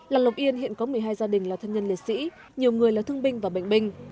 làng lộc yên hiện có một mươi hai gia đình là thân nhân liệt sĩ nhiều người là thương binh và bệnh binh